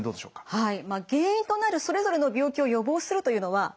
はい。